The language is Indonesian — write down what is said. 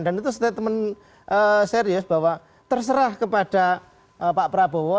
dan itu statement serius bahwa terserah kepada pak prabowo